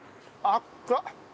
熱っ！